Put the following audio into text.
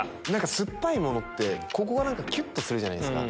酸っぱいものってここがキュっとするじゃないですか。